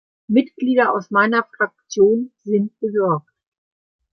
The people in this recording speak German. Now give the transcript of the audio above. Mitglieder aus meiner Fraktion sind besorgt.